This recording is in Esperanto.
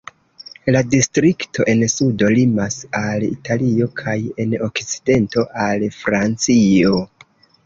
La distrikto en sudo limas al Italio kaj en okcidento al Francio.